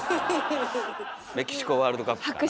メキシコワールドカップかな。